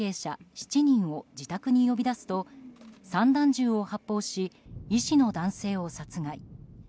７人を自宅に呼び出すと散弾銃を発砲し医師の男性を殺害。